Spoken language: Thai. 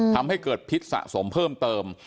ทำให้เกิดพิษสะสมเพิ่มเติม